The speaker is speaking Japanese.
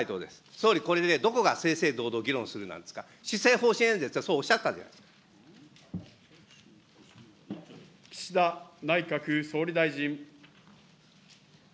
総理、これでどこが正々堂々議論するなんですか、施政方針演説はそうお岸田内閣総理大臣。